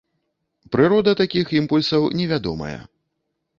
Прырода такіх імпульсаў невядомая.